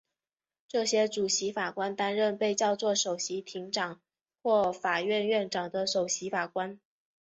这些主席法官担任被叫作首席庭长或法院院长的首席法官。